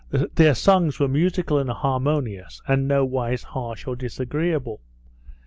Their songs were musical and harmonious, and nowise harsh or disagreeable.